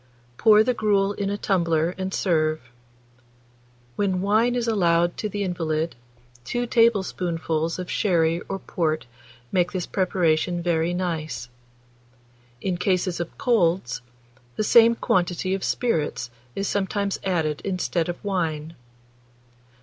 Pour the gruel in a tumbler and serve. When wine is allowed to the invalid, 2 tablespoonfuls of sherry or port make this preparation very nice. In cases of colds, the same quantity of spirits is sometimes added instead of wine.